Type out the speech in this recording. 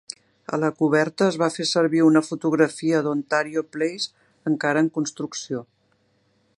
A la coberta es va fer servir una fotografia d'Ontario Place encara en construcció.